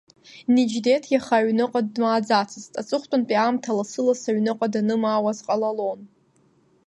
Неџьдеҭ иаха аҩныҟа дмааӡацызт, аҵыхәтәантәи аамҭа лассы-лассы аҩныҟа данымаауаз ҟалалон.